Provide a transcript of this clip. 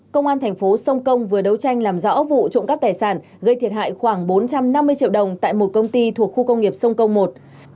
công an thành phố sông công vừa đấu tranh làm rõ vụ trộm cắp tài sản gây thiệt hại khoảng bốn trăm năm mươi triệu đồng tại một công ty thuộc khu công nghiệp sông công một